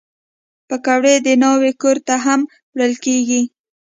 پکورې د ناوې کور ته هم وړل کېږي